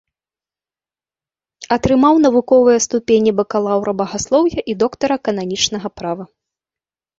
Атрымаў навуковыя ступені бакалаўра багаслоўя і доктара кананічнага права.